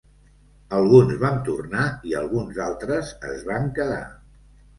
Alguns vam tornar i alguns altres es van quedar.